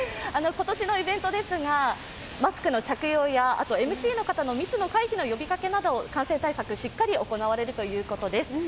今年のイベントですが、マスクの着用や、ＭＣの方の密の回避の呼びかけなどを感染対策、しっかり行われるということです。